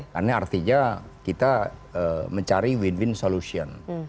karena artinya kita mencari win win solution